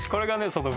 その